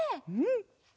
うん！